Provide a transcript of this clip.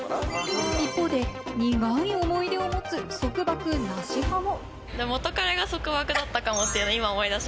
一方で苦い思い出を持つ束縛なし派も。